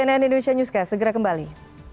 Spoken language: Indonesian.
cnn indonesia newscast segera kembali